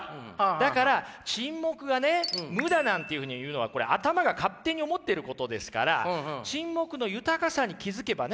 だから沈黙がね無だなんていうふうに言うのはこれ頭が勝手に思ってることですから沈黙の豊かさに気付けばね